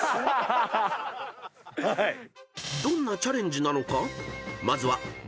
［どんなチャレンジなのか］